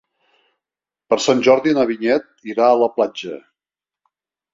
Per Sant Jordi na Vinyet irà a la platja.